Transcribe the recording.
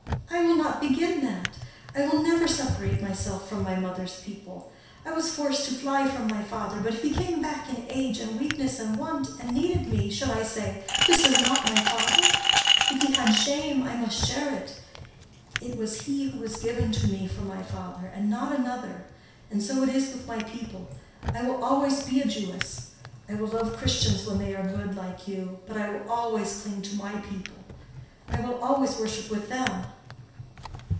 I will not begin that. I will never separate myself from my mother's people. I was forced to fly from my father; but if he came back in age and weakness and want, and needed me, should I say, 'This is not my father'? If he had shame, I must share it. It was he who was given to me for my father, and not another. And so it is with my people. I will always be a Jewess. I will love Christians when they are good, like you. But I will always cling to my people. I will always worship with them."